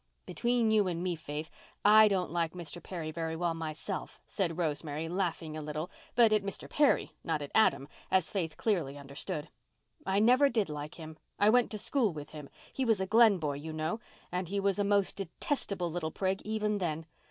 "Between you and me, Faith, I don't like Mr. Perry very well myself," said Rosemary, laughing a little—but at Mr. Perry, not at Adam, as Faith clearly understood. "I never did like him. I went to school with him—he was a Glen boy, you know—and he was a most detestable little prig even then.